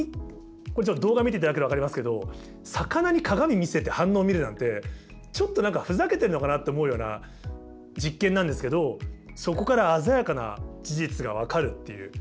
これちょっと動画見ていただけたら分かりますけど魚に鏡見せて反応見るなんてちょっと何かふざけてんのかなって思うような実験なんですけどそこから鮮やかな事実が分かるっていう。